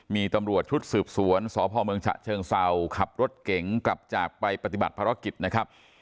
มีตำรวจชุดสืบสวนสพเมืองฉะเชิงเศร้าขับรถเก๋งกลับจากไปปฏิบัติภารกิจนะครับ